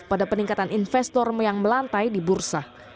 pada peningkatan investor yang melantai di bursa